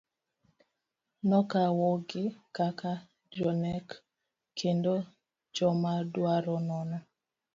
Nokawogi kaka jonek kendo jomadwaro nono.